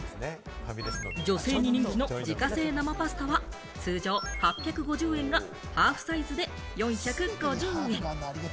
女性に人気の自家製生パスタは、通常８５０円がハーフサイズで４５０円。